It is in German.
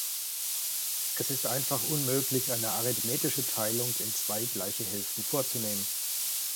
Es ist einfach unmöglich, eine arithmetische Teilung in zwei gleiche Hälften vorzunehmen.